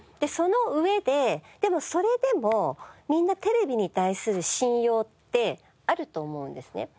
その上ででもそれでもみんなテレビに対する信用ってあると思うんですね。